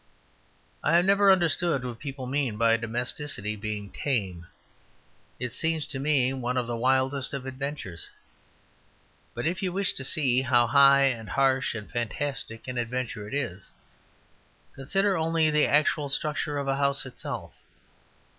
I have never understood what people mean by domesticity being tame; it seems to me one of the wildest of adventures. But if you wish to see how high and harsh and fantastic an adventure it is, consider only the actual structure of a house itself.